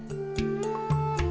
supaya beliau lebih khusus